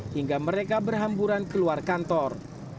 hingga mereka berhamburan keluar kantor